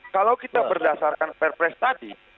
kalau kita berdasarkan perpres tadi